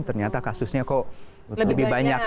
ternyata kasusnya kok lebih banyak